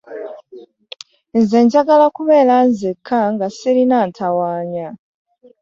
Nze njagala kubeera nzeka nga sirina antawanya.